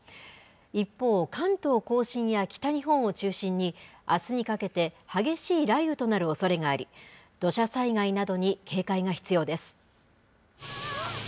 一方、関東甲信や北日本を中心に、あすにかけて、激しい雷雨となるおそれがあり、土砂災害などに警戒が必要です。